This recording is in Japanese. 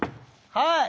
はい。